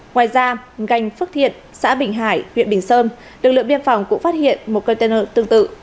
ngoài ra gành phước thiện xã bình hải huyện bình sơn lực lượng biên phòng cũng phát hiện một container tương tự